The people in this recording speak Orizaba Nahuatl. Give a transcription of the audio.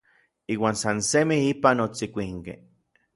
Iuan san semij ipan otsikuinkej.